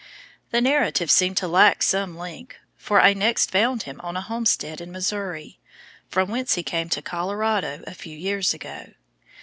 The narrative seemed to lack some link, for I next found him on a homestead in Missouri, from whence he came to Colorado a few years ago.